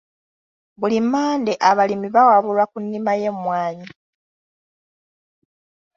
Buli Mmande, abalimi bawabulwa ku nnima y'emmwanyi